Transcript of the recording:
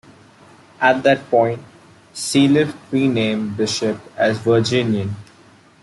At that point, Sealift renamed the ship the "Virginian".